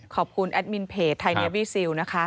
ขอบคุณแอดมินเพจไทยเนียบีซิลนะคะ